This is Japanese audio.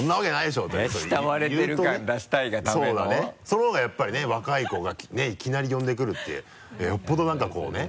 その方がやっぱりね若い子がねぇいきなり呼んでくるってよっぽどなんかこうね。